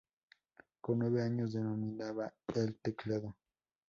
Con nueve años dominaba el teclado.